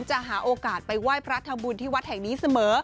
จะหาโอกาสไปไหว้พระทำบุญที่วัดแห่งนี้เสมอ